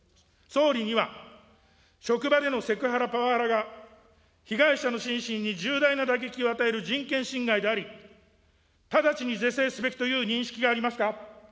総理には、職場でのセクハラやパワハラが被害者の心身に重大な打撃を与える人権侵害であり、直ちに是正すべきという認識がありますか。